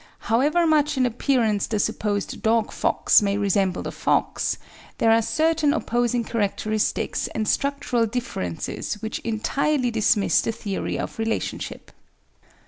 However much in appearance the supposed dog fox may resemble the fox, there are certain opposing characteristics and structural differences which entirely dismiss the theory of relationship.